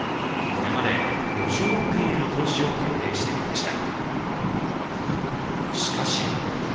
これまで５６件への投資を決定してきました。